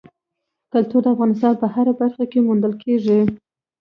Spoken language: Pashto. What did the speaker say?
کلتور د افغانستان په هره برخه کې موندل کېږي.